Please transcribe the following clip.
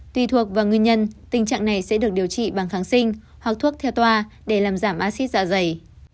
tùy thuộc vào nguyên nhân tình trạng này sẽ được điều trị bằng kháng sinh hoặc thuốc theo toa để làm giảm acid dạ dày